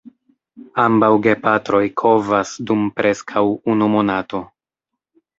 Ambaŭ gepatroj kovas dum preskaŭ unu monato.